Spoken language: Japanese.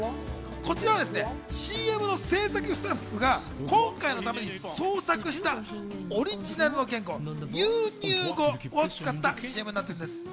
こちらはＣＭの制作スタッフが今回のために創作したオリジナルの言語、ニューニュー語を使ったＣＭになってるんです。